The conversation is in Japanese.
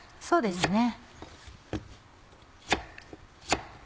そうですね。